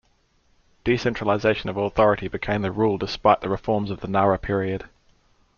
Decentralization of authority became the rule despite the reforms of the Nara period.